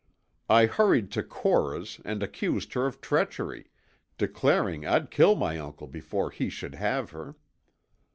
"I hurried to Cora's and accused her of treachery, declaring I'd kill my uncle before he should have her.